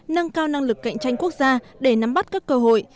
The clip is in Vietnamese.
nâng cao năng lực cạnh tranh quốc gia để nắm bắt các cơ hội